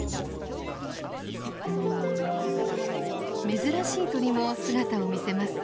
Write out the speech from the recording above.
珍しい鳥も姿を見せます。